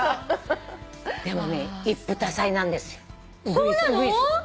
でもね一夫多妻なんですよウグイス。